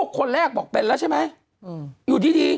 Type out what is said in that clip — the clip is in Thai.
คุณหนุ่มกัญชัยได้เล่าใหญ่ใจความไปสักส่วนใหญ่แล้ว